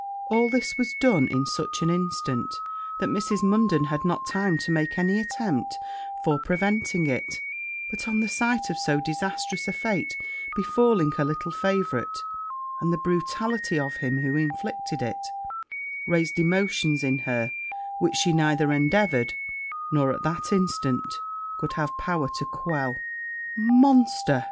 All this was done in such an instant, that Mrs. Munden had not time to make any attempt for preventing it; but the sight of so disastrous a fate befalling her little favourite, and the brutality of him who inflicted it, raised emotions in her, which she neither endeavoured, nor, at that instant, could have the power to quell. 'Monster!'